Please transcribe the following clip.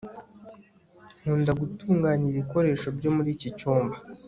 nkunda gutunganya ibikoresho byo muri iki cyumba